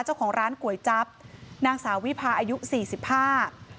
เจ้าของร้านก๋วยจั๊บนางสาววิพาอายุสี่สิบห้า